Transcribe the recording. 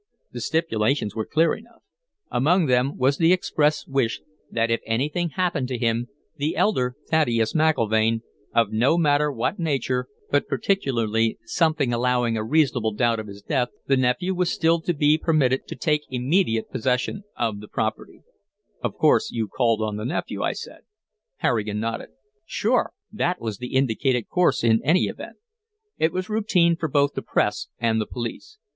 The stipulations were clear enough; among them was the express wish that if anything happened to him, the elder Thaddeus McIlvaine, of no matter what nature, but particularly something allowing a reasonable doubt of his death, the nephew was still to be permitted to take immediate possession of the property and effects." "Of course, you called on the nephew," I said. Harrigan nodded. "Sure. That was the indicated course, in any event. It was routine for both the press and the police.